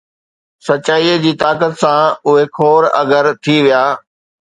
سچائيءَ جي طاقت سان، اهي حُور ’اگر‘ ٿي ويا